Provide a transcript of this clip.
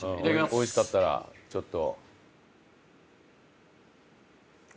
おいしかったらちょっと。